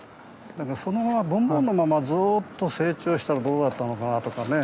そのままボンボンのままずっと成長したらどうだったのかなとかね。